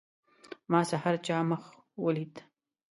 ما سحر چا مخ ولید.